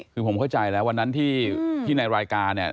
คือผมเข้าใจแล้ววันนั้นที่ในรายการเนี่ย